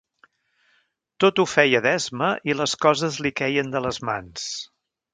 Tot ho feia d'esma i les coses li queien de les mans.